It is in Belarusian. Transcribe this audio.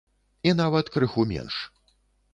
І нават крыху менш.